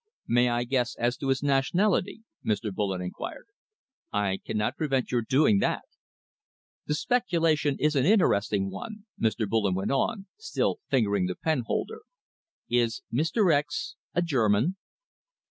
"May I guess as to his nationality?" Mr. Bullen enquired. "I cannot prevent your doing that." "The speculation is an interesting one," Mr. Bullen went on, still fingering the penholder. "Is Mr. X a German?"